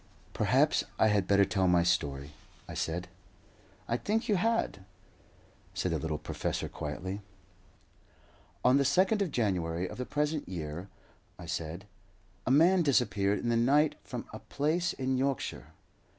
"Perhaps I had better tell my story," I said. "I think you had," said the little professor, quietly. "On the 2nd of January of the present year," I said, "a man disappeared in the night from a place in Yorkshire.